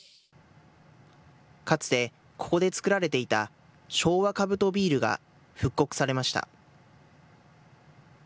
かつてここで造られていた昭和カブトビールが復刻されました。